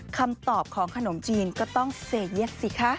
คำตอบของขนมจีนก็ต้องเซเย็กสิคะ